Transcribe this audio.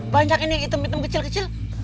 banyak ini hitam hitam kecil kecil